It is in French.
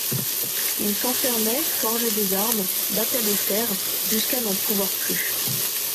Il s'enfermait, forgeait des armes, battait le fer jusqu'à n'en pouvoir plus.